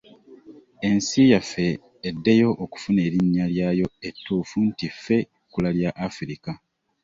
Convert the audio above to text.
Ensi yaffe eddeyo okufuna erinnya lyayo ettuufu nti ffe ekkula ly' Afirika